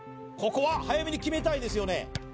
ここは早めに決めたいですよね